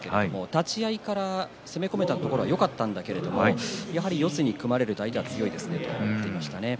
立ち合いから攻め込めたところはよかったんだけれどやはり四つに組まれると相手は強いですねと言っていました。